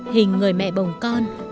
hình người mẹ bồng con